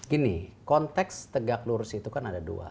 gini konteks tegak lurus itu kan ada dua